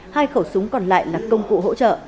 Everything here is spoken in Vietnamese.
hai khẩu súng còn lại là công cụ hỗ trợ